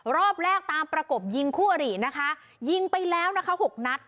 รอบแรกตามประกบยิงคู่อรินะคะยิงไปแล้วนะคะหกนัด